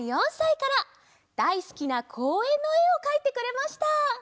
だいすきなこうえんのえをかいてくれました。